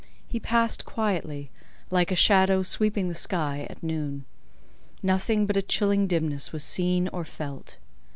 He passed quietly, like a shadow sweeping the sky, at noon. Nothing but a chilling dimness was seen or felt.